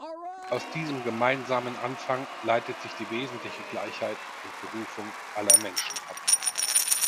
Aus diesem gemeinsamen Anfang leitet sich die wesentliche Gleichheit und Berufung aller Menschen ab.